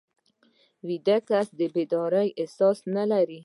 ویده کس د بیدارۍ احساس نه لري